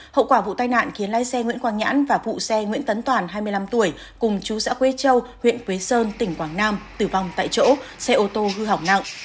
hậu quả vụ tai nạn khiến lái xe nguyễn quang nhãn và vụ xe nguyễn tấn toàn hai mươi năm tuổi cùng chú xã quế châu huyện quế sơn tỉnh quảng nam tử vong tại chỗ xe ô tô hư hỏng nặng